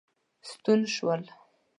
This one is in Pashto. ستون شول.